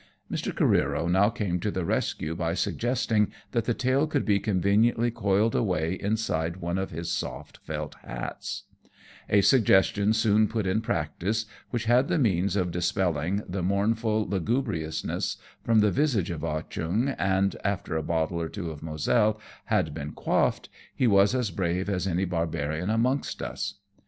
Mr. Careero now came to the rescue by suggesting that the tail could be conveniently coiled away inside one of his soft felt hats; a suggestion soon put in practice, which had the means of dispelling the mourn ful lugubriousness from the visage of Ah Cheong, and after a bottle or two of Moselle had been quaffed, he was as brave as any Barbarian amongst us.